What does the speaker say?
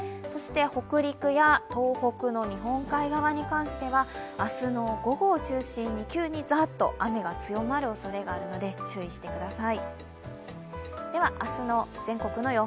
北陸や東北の日本海側に関しては明日の午後を中心に急にザッと雨が強まるおそれがあるので注意してください。